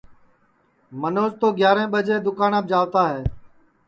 منوج تو گیاریں ٻجے دؔوکاناپ جاوتا ہے